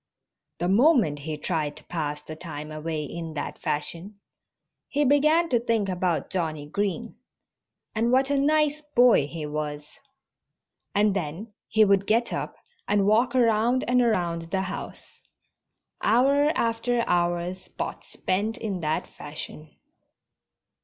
The moment he tried to pass the time away in that fashion he began to think about Johnnie Green and what a nice boy he was. And then he would get up and walk around and around the house. Hour after hour Spot spent in that fashion.